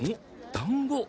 だんご。